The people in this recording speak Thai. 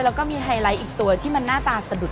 แล้วก็มีไฮไลท์อีกตัวที่มันหน้าตาสะดุด